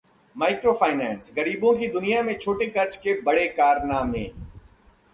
microfinance: गरीबों की दुनिया में छोटे कर्ज के बड़े कारनामे